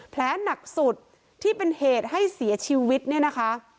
แผลหนักสุดที่เป็นเหตุให้เสียชีวิตเนี่ยนะคะ